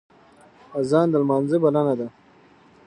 اذان د لمانځه بلنه ده